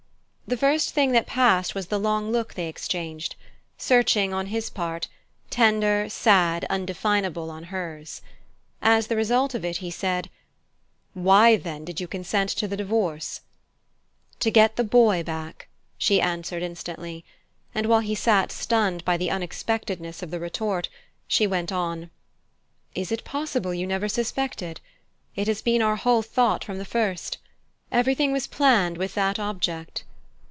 The first thing that passed was the long look they exchanged: searching on his part, tender, sad, undefinable on hers. As the result of it he said: "Why, then, did you consent to the divorce?" "To get the boy back," she answered instantly; and while he sat stunned by the unexpectedness of the retort, she went on: "Is it possible you never suspected? It has been our whole thought from the first. Everything was planned with that object."